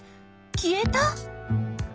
消えた？